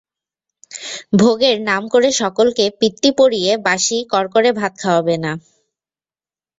ভোগের নাম করে সকলকে পিত্তি পড়িয়ে বাসি কড়কড়ে ভাত খাওয়াবে না।